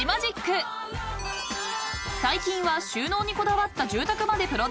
［最近は収納にこだわった住宅までプロデュース］